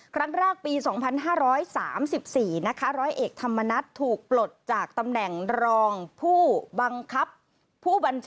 ครั้งแรกปี๒๕๓๔ร้อยเอกธรรมนัฏถูกปลดจากตำแหน่งรองผู้บังคับ